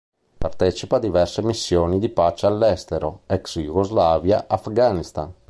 Partecipa a diverse missioni di pace all'estero: ex-Jugoslavia, Afghanistan.